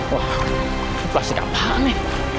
wah plastik apaan ini